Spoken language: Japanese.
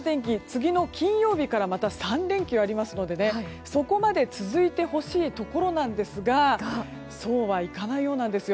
次の金曜日からまた３連休がありますのでそこまで続いてほしいところなんですがそうはいかないようなんです。